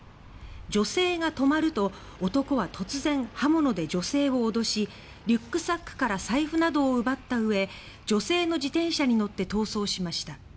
女性が止まると男は突然、刃物で女性を脅しリュックサックから財布などを奪ったうえ女性の自転車に乗って逃走しました。